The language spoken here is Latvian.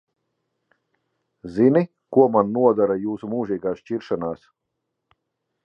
Zini, ko man nodara jūsu mūžīgās šķiršanās?